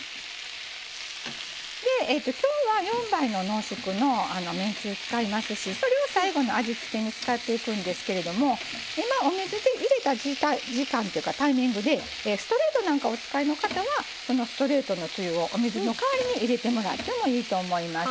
今日は４倍の濃縮のめんつゆ使いますしそれを最後の味付けに使っていくんですけれども今お水入れた時間というかタイミングでストレートなんかをお使いの方はそのストレートのつゆをお水の代わりに入れてもらってもいいと思います。